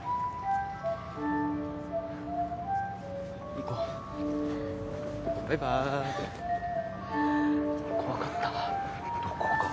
行こうバイバイ怖かったどこが？